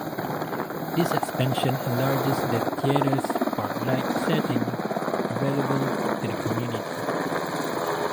This expansion enlarges the theatre's park-like setting available to the community.